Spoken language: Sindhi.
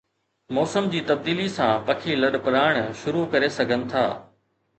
موسم جي تبديلي سان، پکي لڏپلاڻ شروع ڪري سگھن ٿا